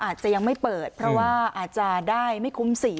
อาจจะยังไม่เปิดเพราะว่าอาจจะได้ไม่คุ้มสี